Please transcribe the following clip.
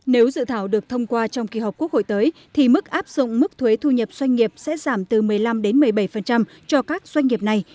nếu dự thảo được thông qua trong kỳ họp quốc hội tới thì mức áp dụng mức thuế thu nhập doanh nghiệp sẽ giảm từ một mươi năm một mươi bảy cho các doanh nghiệp này